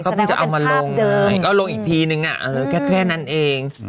เพิ่งจะเอามาลงก็ลงอีกทีนึงแค่นั้นเอง